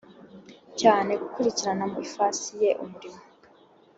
cyane gukurikirana mu ifasi ye umurimo